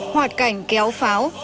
hoạt cảnh kéo pháo